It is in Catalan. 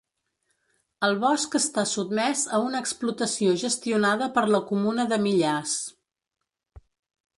El bosc està sotmès a una explotació gestionada per la comuna de Millars.